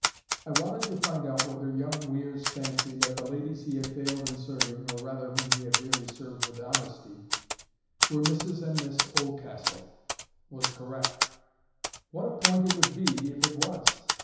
I wanted to find out whether young Weir's fancy that the ladies he had failed in serving, or rather whom he had really served with honesty, were Mrs and Miss Oldcastle, was correct. What a point it would be if it was!